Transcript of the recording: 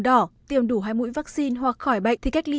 đỏ tiêm đủ hai mũi vaccine hoặc khỏi bệnh thì cách ly